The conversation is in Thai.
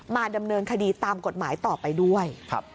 ดำเนินคดีตามกฎหมายต่อไปด้วย